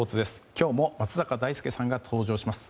今日も松坂大輔さんが登場します。